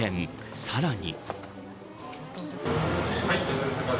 さらに。